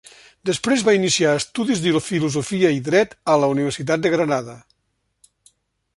Després va iniciar estudis de Filosofia i Dret a la Universitat de Granada.